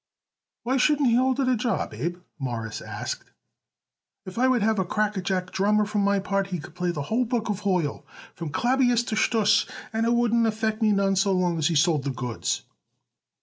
"Why shouldn't he hold a job, Abe?" Morris asked. "If I would have a crackerjack drummer, for my part he could play the whole book of Hoyle, from klabbias to stuss, and it wouldn't affect me none so long as he sold the goods."